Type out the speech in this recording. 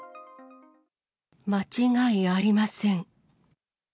間違いありません。